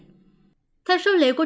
theo số liệu của trung tâm kiểm soát